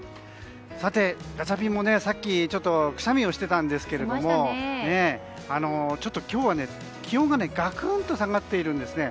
さて、ガチャピンもさっきくしゃみをしていたんですけどちょっと今日は気温ががくんと下がっているんですね。